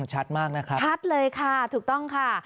ชัดมากนะครับชัดเลยค่ะถูกต้องค่ะ